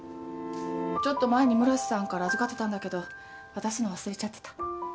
ちょっと前に村瀬さんから預かってたんだけど渡すの忘れちゃってた。